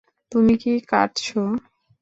তুমি কি কাটছ?